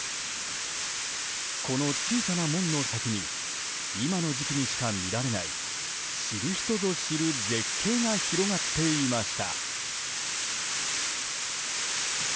この小さな門の先に今の時期にしか見られない知る人ぞ知る絶景が広がっていました。